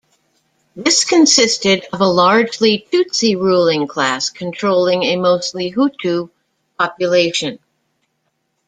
This consisted of a largely Tutsi ruling class controlling a mostly Hutu population.